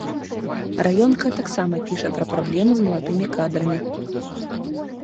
Раёнка таксама піша пра праблемы з маладымі кадрамі.